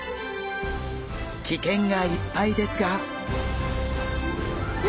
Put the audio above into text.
危険がいっぱいですが。